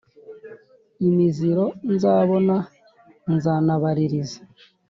Imiziro nzabona zanabaliliza